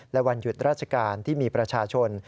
และวันหยุดราชการที่มีประชาชน